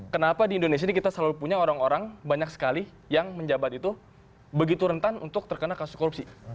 kenapa di indonesia ini kita selalu punya orang orang banyak sekali yang menjabat itu begitu rentan untuk terkena kasus korupsi